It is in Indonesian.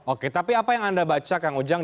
oke tapi apa yang anda baca kang ujang